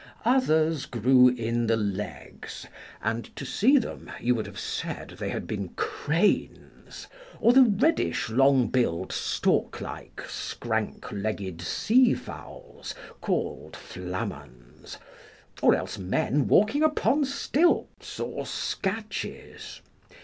Others grew in the legs, and to see them you would have said they had been cranes, or the reddish long billed storklike scrank legged sea fowls called flamans, or else men walking upon stilts or scatches.